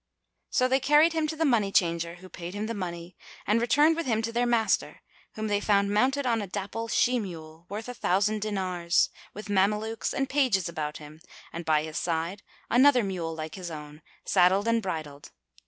So they carried him to the money changer, who paid him the money, and returned with him to their master, whom they found mounted on a dapple she mule worth a thousand dinars, with Mamelukes and pages about him, and by his side another mule like his own, saddled and bridled.